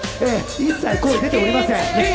一切声が出ておりません。